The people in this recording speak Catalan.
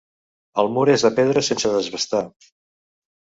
El mur és de pedra sense desbastar.